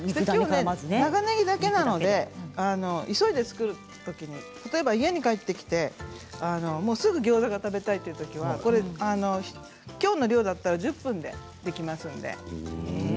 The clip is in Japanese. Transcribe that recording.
きょうは長ねぎだけなので急いで作るときに例えば、家に帰ってきてすぐにギョーザが食べたいときはきょうの料理だったら１０分でできます。